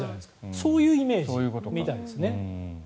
そういうイメージみたいですね。